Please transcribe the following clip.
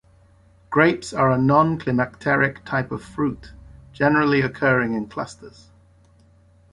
Grapes are a non-climacteric type of fruit, generally occurring in clusters.